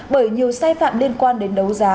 bởi nhiều sai phạm liên quan đến đấu giá